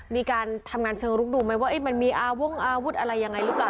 มีการทำงานเชิงลุกดูไหมว่ามันมีอาวงอาวุธอะไรยังไงหรือเปล่า